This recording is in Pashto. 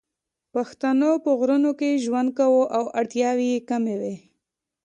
پښتنو په غرونو کې ژوند کاوه او اړتیاوې یې کمې وې